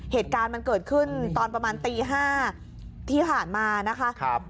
เหตุการณ์มันเกิดขึ้นตอนประมาณตี๕ที่ผ่านมานะคะ